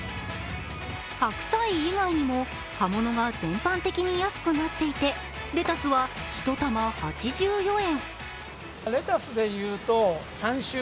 白菜以外にも、葉物が全般的に安くなっていてレタスは１玉８４円。